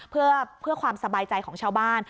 เพื่อความสบายใจของชาวบ้าน